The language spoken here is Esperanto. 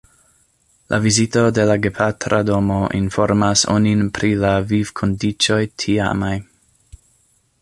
La vizito de la gepatra domo informas onin pri la vivkondiĉoj tiamaj.